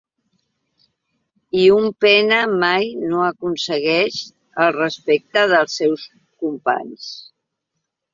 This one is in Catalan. I un pena mai no aconsegueix el respecte dels seus companys.